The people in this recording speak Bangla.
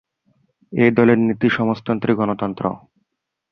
এই দলের নীতি সমাজতন্ত্রী-গণতন্ত্র।